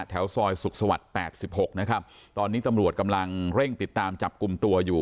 แถวซอยสุขสวรรค์๘๖นะครับตอนนี้ตำรวจกำลังเร่งติดตามจับกลุ่มตัวอยู่